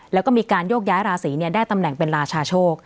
แล้วก็มีการโยกย้ายราศีได้ตำแหน่งเป็นราชาโชค